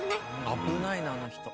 危ないなあの人。